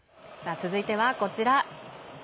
続いては、こちら。